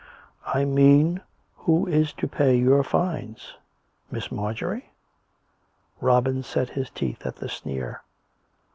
"" I mean, who is to pay your fines? ... Miss Mar jorie.'' " Robin set his teeth at the sneer.